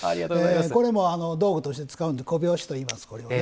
これも道具として使うので小拍子といいます。